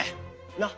なっ？